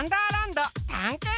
どたんけん